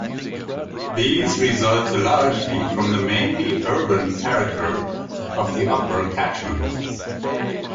These result largely from the mainly urban character of the upper catchment.